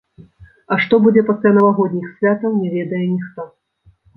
А што будзе пасля навагодніх святаў, не ведае ніхто.